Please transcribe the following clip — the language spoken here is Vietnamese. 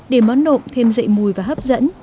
để món nộm thêm dậy mùi và hấp dẫn